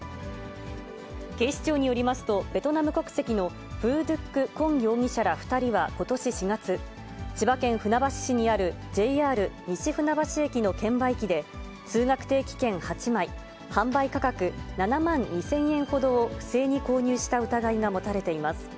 警視庁によりますと、ベトナム国籍のヴー・ドゥック・コン容疑者ら２人はことし４月、千葉県船橋市にあるＪＲ西船橋駅の券売機で、通学定期券８枚、販売価格７万２０００円ほどを不正に購入した疑いが持たれています。